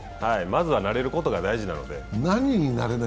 まずは慣れることが大事なので。